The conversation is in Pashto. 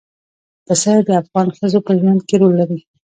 پسه د افغان ښځو په ژوند کې رول لري.